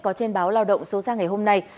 có trên báo lao động số ra ngày hôm nay